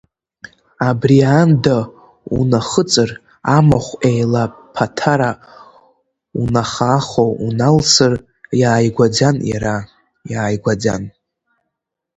Абри аанда унахыҵыр, амахә еилаԥаҭара унаха-аахо уналсыр, иааигәаӡан иара, иааигәаӡан.